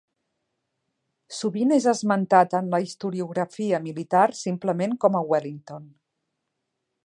Sovint és esmentat en la historiografia militar simplement com a Wellington.